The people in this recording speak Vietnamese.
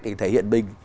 để thể hiện bình